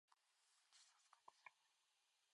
地図を使って調べる